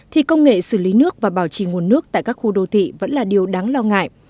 thì công nghệ xử lý nước và bảo trì nguồn nước tại các khu đô thị vẫn là điều đáng lo ngại